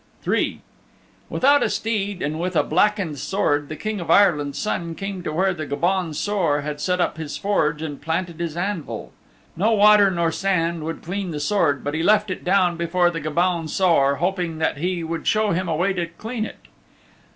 III Without a steed and with a blackened sword the King of Ireland's Son came to where the Gobaun Saor had set up his forge and planted his anvil. No water nor sand would clean the Sword, but he left it down before the Gobaun Saor, hoping that he would show him a way to dean it.